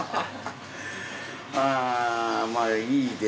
ああまあ。